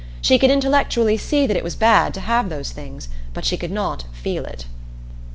She could intellectually see that it was bad to have those things; but she could not feel it.